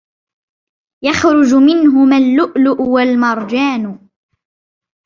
يَخْرُجُ مِنْهُمَا اللُّؤْلُؤُ وَالْمَرْجَانُ